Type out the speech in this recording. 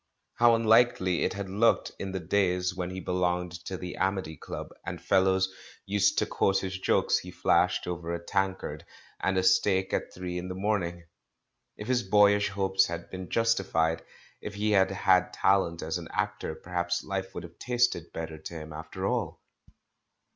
How unlikely it had looked in the days when he belonged to the Amity Club and fellows used S90 THE MAN WHO UNDERSTOOD WOMEN to quote his jokes he flashed over a tankard and a steak at three in the morning! If his boyish hopes had been justified, if he had had talent as an actor, perhaps hfe would have tasted better to him, after all?